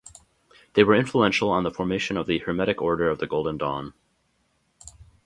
They were influential on the formation of the Hermetic Order of the Golden Dawn.